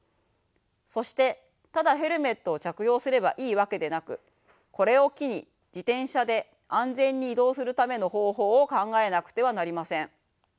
そしてただヘルメットを着用すればいいわけでなくこれを機に自転車で安全に移動するための方法を考えなくてはなりません。